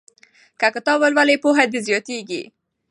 که کتاب ولولې پوهه دې زیاتیږي.